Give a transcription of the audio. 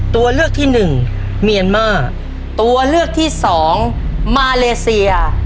ตัวเลือกที่หนึ่งเมียนมาตัวเลือกที่สองมาเลเซีย